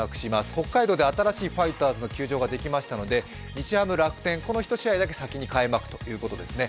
北海道で新しいファイターズの球場ができましたので日ハム×楽天、この１試合だけ先に開幕ということですね。